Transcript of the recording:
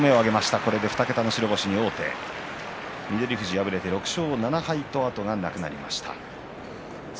これで２桁、白星に王手翠富士は敗れて６勝７敗と後がなくなりました。